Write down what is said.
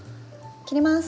切ります！